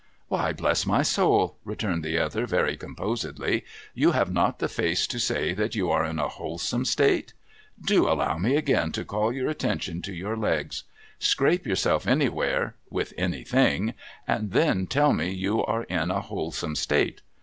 ' Why, Lord bless my soul,' returned the other, very composedly, ' you have not the face to say that you are in a wholesome state ? Do allow me again to call your attention to your legs. Scrape yourself anywhere — with anything — and then tell me you are in a wholesome state.